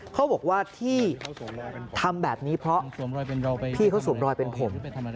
เขาบอกว่าที่ทำแบบนี้เพราะพี่เขาสวมรอยเป็นผม